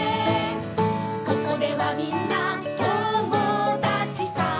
「ここではみんな友だちさ」